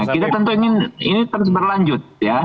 kita tentu ingin ini terus berlanjut ya